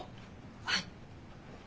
はい。